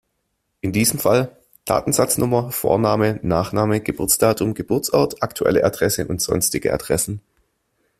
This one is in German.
In diesem Fall: Datensatznummer, Vorname, Nachname, Geburtsdatum, Geburtsort, aktuelle Adresse und sonstige Adressen.